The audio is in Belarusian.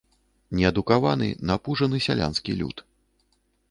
Неадукаваны, напужаны сялянскі люд.